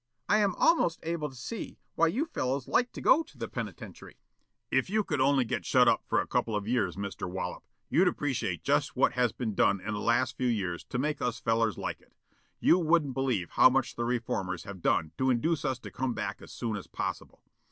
I am almost able to see why you fellows like to go to the penitentiary." "If you could only get shut up for a couple of years, Mr. Wollop, you'd appreciate just what has been done in the last few years to make us fellers like it. You wouldn't believe how much the reformers have done to induce us to come back as soon as possible.